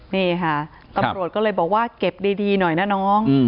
นี่ค่ะตำรวจก็เลยบอกว่าเก็บดีหน่อยนะน้อง